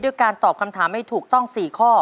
ด้วยการตอบคำถามไม่ถูกต้องสี่ข้อ